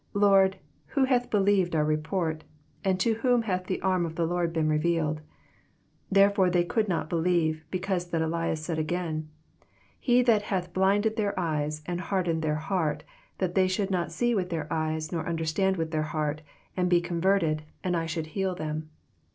Lord, who hath believed our report ? and to whom hath the arm of the Lord been revealed ? 39 Therefore they could not believe, because that Esaias said again, 40 He hath blinded then* eyes, and hardened their heart ; that they should not see with tkdr eyes, nor understand with their heart, and be converted, and I should heal them.